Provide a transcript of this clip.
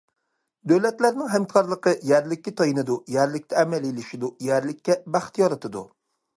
دۆلەتلەرنىڭ ھەمكارلىقى يەرلىككە تايىنىدۇ، يەرلىكتە ئەمەلىيلىشىدۇ، يەرلىككە بەخت يارىتىدۇ.